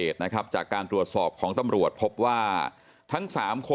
ตามร้านต่าง